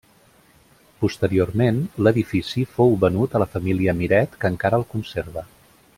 Posteriorment, l'edifici fou venut a la família Miret que encara el conserva.